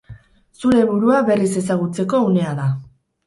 Zure burua berriz ezagutzeko unea da.